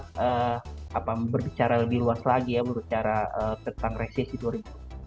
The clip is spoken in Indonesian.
kita berbicara lebih luas lagi ya berbicara tentang resesi dua ribu dua puluh